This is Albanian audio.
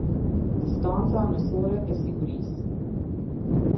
Distanca anësore e sigurisë.